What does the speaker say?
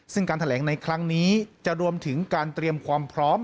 ซึ่งการแถลงในครั้งนี้จะรวมถึงการเตรียมความพร้อม